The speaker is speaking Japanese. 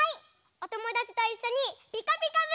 おともだちといっしょに「ピカピカブ！」